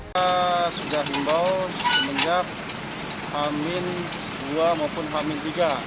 kita sudah himbau semenjak hamin dua maupun h tiga